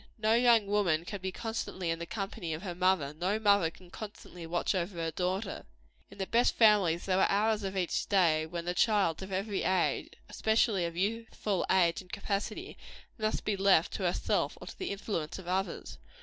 No young woman can be constantly in the company of her mother; no mother can constantly watch over her daughter. In the best families there are hours of each day, when the child of every age, especially of youthful age and capacity, must be left to herself or to the influence of others.